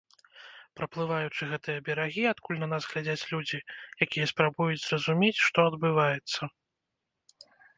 Праплываючы гэтыя берагі, адкуль на нас глядзяць людзі, якія спрабуюць зразумець, што адбываецца!